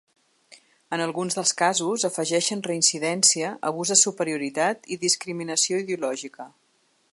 En alguns dels casos, afegeixen reincidència, abús de superioritat i discriminació ideològica.